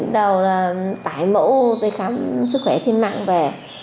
đầu là tải mẫu giấy khám sức khỏe trên mạng về